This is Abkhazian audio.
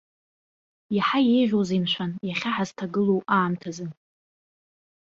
Иаҳа еиӷьузеи, мшәан, иахьа ҳазҭагылоу аамҭазы?